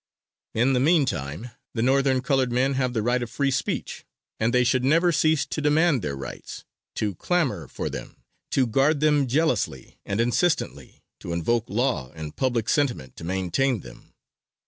In the meantime the Northern colored men have the right of free speech, and they should never cease to demand their rights, to clamor for them, to guard them jealously, and insistently to invoke law and public sentiment to maintain them.